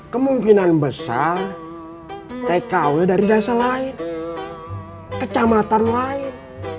kemungkinan besar tkw dari desa lain kecamatan lain